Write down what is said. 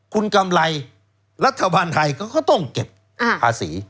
คุณกำไรรัฐบาลไทยเขาก็ต้องเก็บภาษี